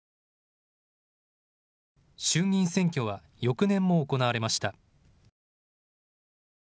衆議院選挙は翌年も行われました。